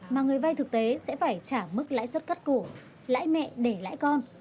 mà người vay thực tế sẽ phải trả mức lãi suất cắt cổ lãi mẹ để lãi con